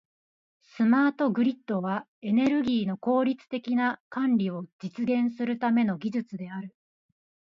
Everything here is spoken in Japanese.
スマートグリッドは、エネルギーの効率的な管理を実現するための技術である。